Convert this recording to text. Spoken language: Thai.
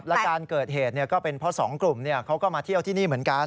และการเกิดเหตุก็เป็นเพราะสองกลุ่มเขาก็มาเที่ยวที่นี่เหมือนกัน